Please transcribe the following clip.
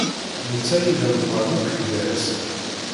D netta ay d ameqran akk gar-asen.